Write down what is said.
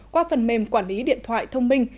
qua phần mềm quản lý điện thoại thông minh